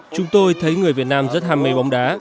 chúng tôi thấy người việt nam rất ham mê bóng đá